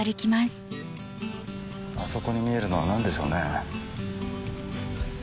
あそこに見えるのは何でしょうね？